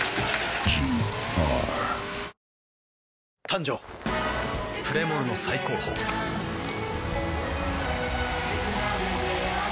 誕生プレモルの最高峰プシュッ！